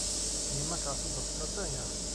Nie ma czasu do stracenia!